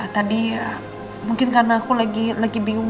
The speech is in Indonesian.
tadi mungkin karena aku lagi bingung